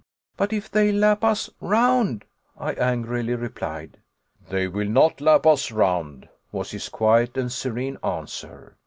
"But if they lap us round!" I angrily replied. "They will not lap us round," was his quiet and serene answer.